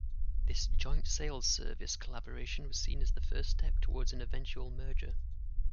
This joint sales-service collaboration was seen as the first step towards an eventual merger.